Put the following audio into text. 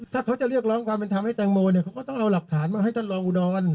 ถ้าเขาจะเรียกร้องความเป็นธรรมให้แตงโมเนี่ยเขาก็ต้องเอาหลักฐานมาให้ท่านรองอุดร